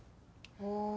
ああ。